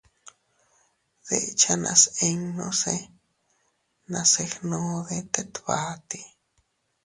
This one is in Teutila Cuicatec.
Dechanas innuse nase gnude tet bati.